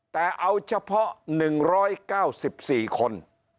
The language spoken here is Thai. แต่เอาเฉพาะ๑๙๔คน